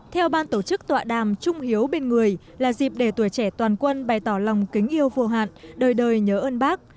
theo ban tổ chức tọa đàm trung hiếu bên người là dịp để tuổi trẻ toàn quân bày tỏ lòng kính yêu vô hạn đời đời nhớ ơn bác